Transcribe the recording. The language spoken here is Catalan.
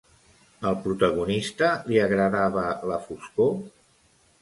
Al protagonista li agradava la foscor?